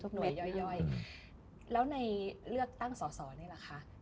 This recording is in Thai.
หน่วยย่อยย่อยแล้วในเลือกตั้งสอสอนี่แหละคะ